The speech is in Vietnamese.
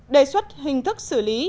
đề xuất hình thức xử lý